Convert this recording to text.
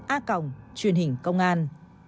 a còng truyền hình công an